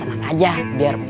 nanti aja aku melihari